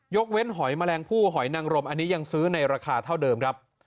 เว้นหอยแมลงผู้หอยนังรมอันนี้ยังซื้อในราคาเท่าเดิมครับ